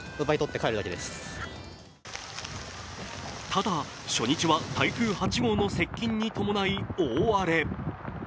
ただ、初日は台風８号の接近に伴い、大荒れ。